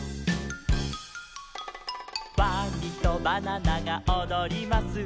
「ワニとバナナがおどります」